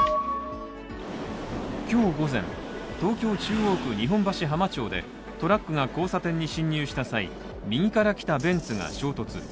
今日午前、東京・中央区日本橋浜町でトラックが交差点に進入した際、右からきたベンツが衝突。